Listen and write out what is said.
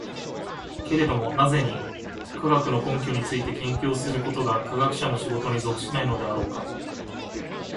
けれども何故に、科学の根拠について研究することが科学者の仕事に属しないのであろうか。